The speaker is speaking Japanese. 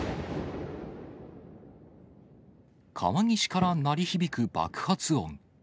川岸から鳴り響く爆発音。